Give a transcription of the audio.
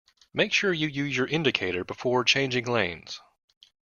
Make sure you use your indicator before changing lanes